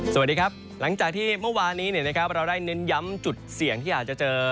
สวัสดีครับหลังจากที่เมื่อวานี้เราได้เน้นย้ำจุดเสี่ยงที่อาจจะเจอ